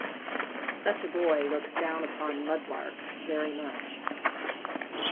Such a boy looks down upon mudlarks very much.